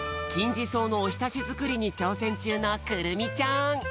そうのおひたしづくりにちょうせんちゅうのくるみちゃん！